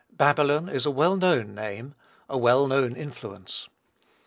Babylon is a well known name, a well known influence.